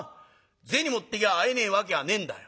銭持ってきゃ会えねえわけがねえんだよ。